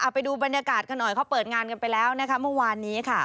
ไปดูบรรยากาศกันหน่อยเขาเปิดงานกันไปแล้วนะคะเมื่อวานนี้ค่ะ